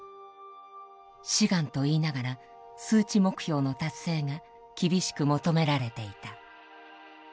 志願と言いながら数値目標の達成が厳しく求められていた。